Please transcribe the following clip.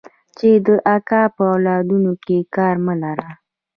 چې د اکا په اولادونو کار مه لره.